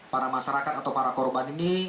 para masyarakat atau para korban ini